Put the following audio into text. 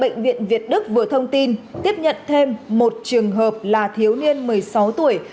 bệnh viện việt đức vừa thông tin tiếp nhận thêm một trường hợp là thiếu niên một mươi sáu tuổi